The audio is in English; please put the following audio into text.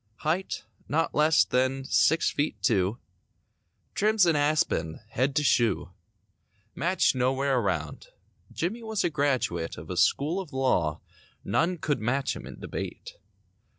Height not less than six feet two. Trim's an aspen—head to shoe. Match nowhere around. Jimmy was a graduate Of a school of law None could match him in debate.